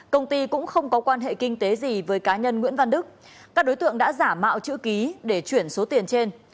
công ty cũng không có quan hệ kinh tế gì với cá nhân nguyễn văn đức các đối tượng đã giả mạo chữ ký để chuyển số tiền trên